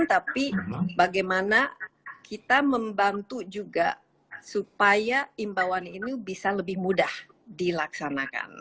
tapi bagaimana kita membantu juga supaya imbauan ini bisa lebih mudah dilaksanakan